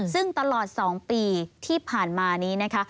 ซึ่งตลอดสองปีที่ผ่านมานี้